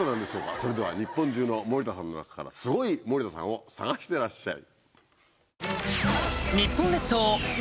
それでは日本中の森田さんの中からスゴい森田さんを探してらっしゃい。